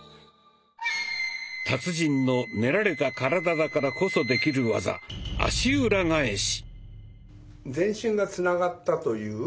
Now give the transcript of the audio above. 達人の練られた体だからこそできる技「足裏返し」。